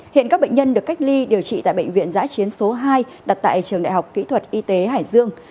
hiện các bệnh nhân được cách ly điều trị tại bệnh viện giã chiến số hai đặt tại trường đại học kỹ thuật y tế hải dương